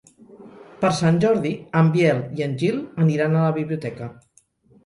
Per Sant Jordi en Biel i en Gil aniran a la biblioteca.